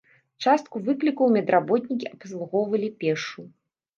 Частку выклікаў медработнікі абслугоўвалі пешшу.